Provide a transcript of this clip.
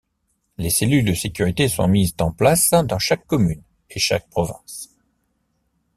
Les Cellules de sécurité sont mises en place dans chaque commune et chaque province.